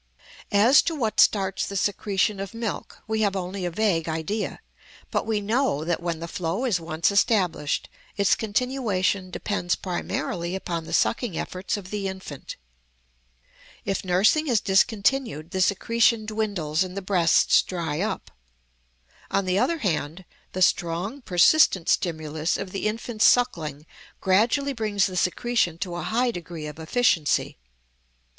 As to what starts the secretion of milk we have only a vague idea; but we know that when the flow is once established its continuation depends primarily upon the sucking efforts of the infant. If nursing is discontinued the secretion dwindles and the breasts dry up. On the other hand, the strong, persistent stimulus of the infant's suckling gradually brings the secretion to a high degree of efficiency.